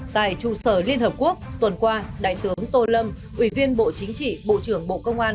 tại trung sở liên hợp quốc tuần qua đại tướng tô lâm ủy viên bộ chính trị bộ trưởng bộ công an